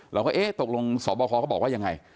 เราก็เอ๊ะตกลงสบคเขาบอกว่ายังไง